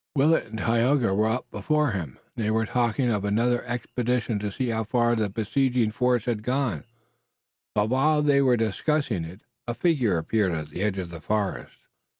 Willet and Tayoga were up before him, and they were talking of another expedition to see how far the besieging force had gone, but while they were discussing it a figure appeared at the edge of the forest.